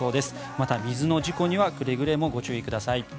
また、水の事故にはくれぐれもご注意ください。